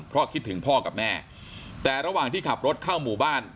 เพราะคิดถึงพ่อกับแม่แต่ระหว่างที่ขับรถเข้าหมู่บ้าน